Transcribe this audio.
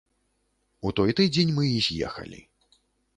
У той тыдзень мы і з'ехалі.